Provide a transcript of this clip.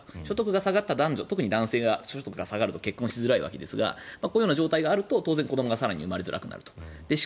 所得が下がった男女、特に男性は所得が下がると結婚しづらいんですがこういう状況があると更に子どもが生まれにくいと。